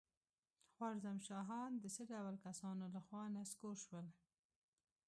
خوارزم شاهان د څه ډول کسانو له خوا نسکور شول؟